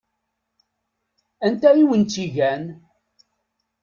Anta i wen-tt-igan?